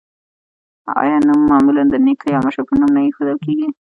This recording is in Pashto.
آیا نوم معمولا د نیکه یا مشر په نوم نه ایښودل کیږي؟